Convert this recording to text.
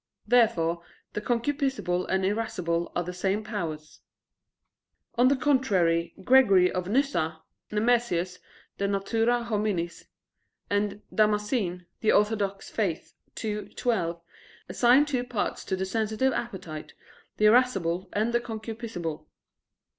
Therefore the concupiscible and irascible are the same powers. On the contrary, Gregory of Nyssa (Nemesius, De Natura Hominis) and Damascene (De Fide Orth. ii, 12) assign two parts to the sensitive appetite, the irascible and the concupiscible.